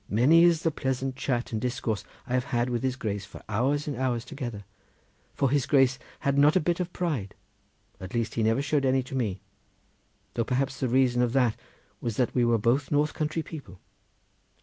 Many is the pleasant chat and discourse I have had with his Grace for hours and hours together, for his Grace had not a bit of pride, at least he never showed any to me, though, perhaps, the reason of that was that we were both north country people.